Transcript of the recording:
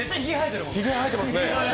ひげ生えてますね。